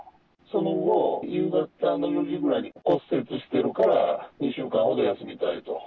その後、夕方の４時ぐらいに、骨折してるから２週間ほど休みたいと。